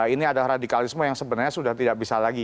ini adalah radikalisme yang sebenarnya sudah tidak bisa lagi